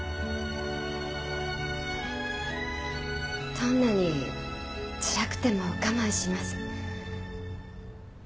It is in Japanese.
どんなにつらくても我慢します。